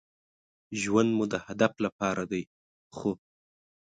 ژوند مو د هدف لپاره دی ،خو